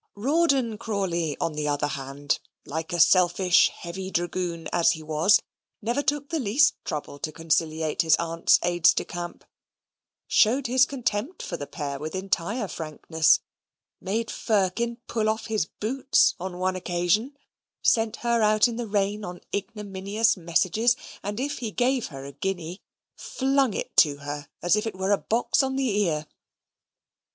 Rawdon Crawley, on the other hand, like a selfish heavy dragoon as he was, never took the least trouble to conciliate his aunt's aides de camp, showed his contempt for the pair with entire frankness made Firkin pull off his boots on one occasion sent her out in the rain on ignominious messages and if he gave her a guinea, flung it to her as if it were a box on the ear.